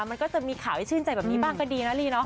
มันก็จะมีข่าวให้ชื่นใจแบบนี้บ้างก็ดีนะลีเนาะ